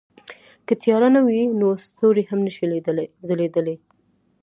که تیاره نه وي نو ستوري هم نه شي ځلېدلی.